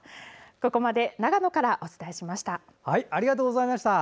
ここまで長野からお伝えしました。